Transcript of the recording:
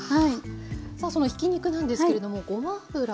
さあそのひき肉なんですけれどもごま油をです